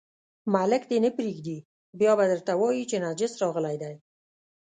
ملک دې نه پرېږدي، بیا به درته وایي چې نجس راغلی دی.